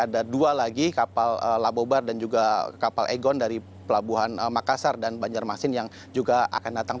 dan nanti ada dua lagi kapal labobar dan juga kapal egon dari pelabuhan makassar dan banjarmasin yang juga akan datang